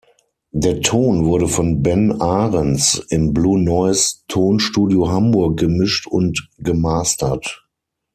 Der Ton wurde von Ben Ahrens im Blue Noise Tonstudio, Hamburg gemischt und gemastert.